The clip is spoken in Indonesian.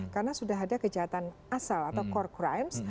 karena sudah ada kejahatan asal atau core crimes